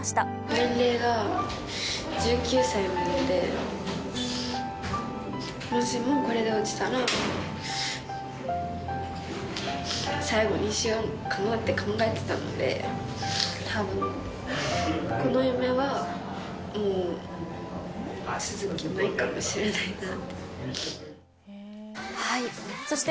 年齢が１９歳なので、もしもこれで落ちたら、最後にしようかなって考えてたので、たぶん、この夢はもう続けないかもしれないなって。